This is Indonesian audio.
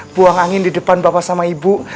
buang angin di depan bapak sama ibu